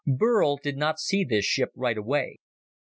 Burl did not see this ship right away.